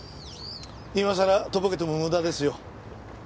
今さらとぼけても無駄ですよ。